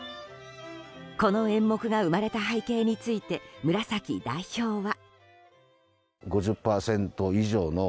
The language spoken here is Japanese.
この演目が生まれた背景について村崎代表は。